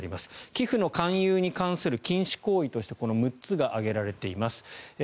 寄付の勧誘に関する禁止行為としてこの６つが挙げられています。